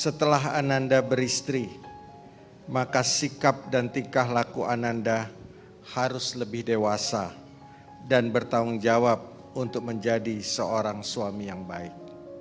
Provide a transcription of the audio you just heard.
setelah ananda beristri maka sikap dan tingkah laku ananda harus lebih dewasa dan bertanggung jawab untuk menjadi seorang suami yang baik